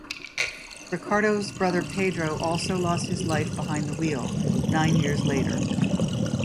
Ricardo's brother Pedro also lost his life behind the wheel nine years later.